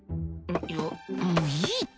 いやもういいって。